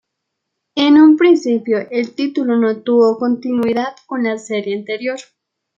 En un principio, el título no tuvo continuidad con la serie anterior.